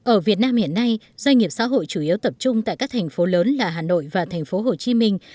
ở việt nam hiện nay doanh nghiệp xã hội chủ yếu tập trung tại các thành phố lớn là hà nội và thành phố hồ chí minh